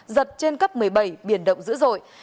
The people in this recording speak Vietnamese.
giật trên cấp một mươi bảy biển động dữ dội